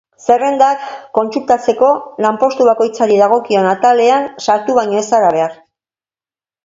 Zerrendak kontsultatzeko, lanpostu bakoitzari dagokion atalean sartu baino ez zara behar.